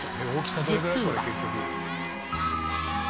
実は。